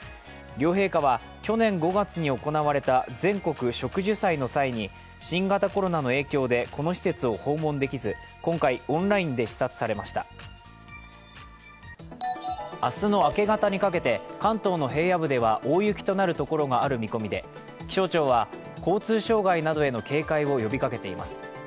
両陛下は、去年５月に行われた全国植樹祭の際に、新型コロナの影響で、この施設を訪問できず今回、オンラインで視察されました明日の明け方にかけて、関東の平野部では大雪となるところがある見込みで、気象庁は交通障害などへの警戒を呼びかけています。